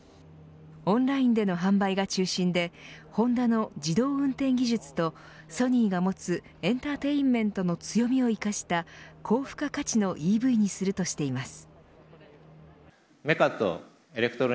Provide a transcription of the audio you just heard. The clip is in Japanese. オンラインでの販売が中心でホンダの自動運転技術とソニーがもつエンターテインメントの強みを生かした高付加価値のＥＶにするとしています。